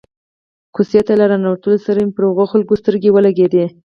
کوڅې ته له را ننوتلو سره مې پر هغو خلکو سترګې ولګېدې.